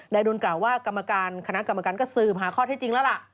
ดุลกล่าวว่ากรรมการคณะกรรมการก็สืบหาข้อเท็จจริงแล้วล่ะ